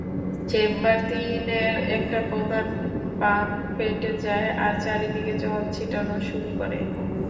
Chamber তিনের একটা প্রধান পাম্প ফেটে যায় আর চারিদিকে জল ছিটানো শুরু করে।